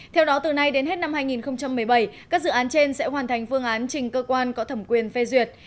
theo đó từ nay đến hết năm hai nghìn một mươi bảy các dự án trên sẽ hoàn thành phương án trình cơ quan có thẩm quyền phê duyệt